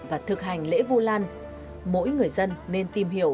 và thực hành lễ vu lan mỗi người dân nên tìm hiểu